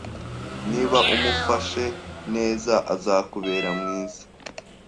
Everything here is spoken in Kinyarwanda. Niba umufashe neza, azakubera mwiza